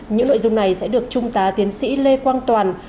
những nội dung này sẽ được trung tá tiến sĩ lê quang toàn